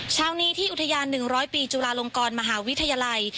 เช้านี้ที่อุทยาน๑๐๐ปีจุฬาลงกรมหาวิทยาลัย